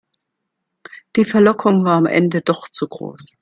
Die Verlockung war am Ende doch zu groß.